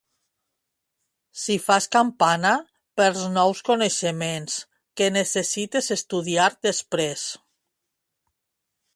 Si fas campana perds nous coneixements que necessites estudiar després